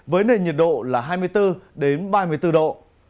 với nền nhiệt độ là hai mươi bốn ba mươi bốn độ